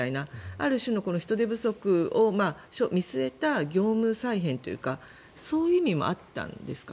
ある種の人手不足を見据えた業務再編というかそういう意味もあったんですか。